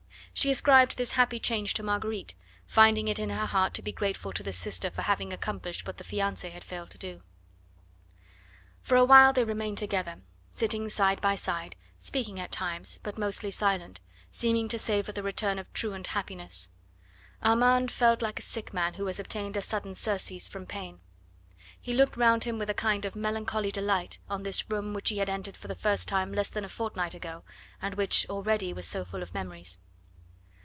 She ascribed this happy change to Marguerite, finding it in her heart to be grateful to the sister for having accomplished what the fiancee had failed to do. For awhile they remained together, sitting side by side, speaking at times, but mostly silent, seeming to savour the return of truant happiness. Armand felt like a sick man who has obtained a sudden surcease from pain. He looked round him with a kind of melancholy delight on this room which he had entered for the first time less than a fortnight ago, and which already was so full of memories.